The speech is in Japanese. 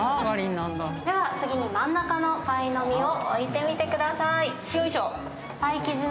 次に真ん中のパイの実を置いてみてください。